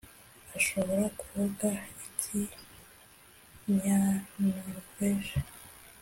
ashobora kuvuga ikinyanoruveje